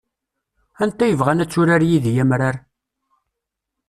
Anta yebɣan ad turar yid-i amrar?